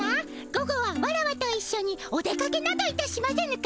午後はワラワといっしょにお出かけなどいたしませぬか？